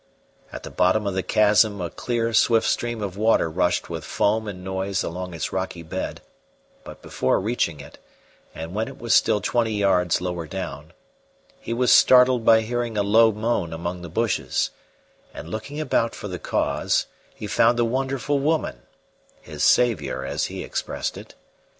At the bottom of the chasm a clear, swift stream of water rushed with foam and noise along its rocky bed; but before reaching it, and when it was still twenty yards lower down, he was startled by hearing a low moan among the bushes, and looking about for the cause, he found the wonderful woman his saviour, as he expressed it.